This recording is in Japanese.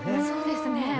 そうですね。